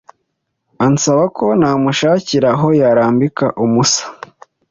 ansabako namushakira aho yarambika umusa